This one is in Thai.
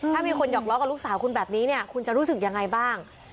ถ้ามีคนหอกล้อกับลูกสาวคุณแบบนี้เนี่ยคุณจะรู้สึกยังไงบ้าง